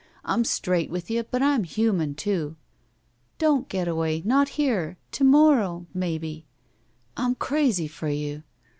I'm straight with you, but I'm human, too." "Don't, Getaway, not here! To morrow — ^maybe." "I'm crazy for you!"